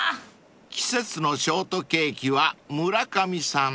［季節のショートケーキは村上さん］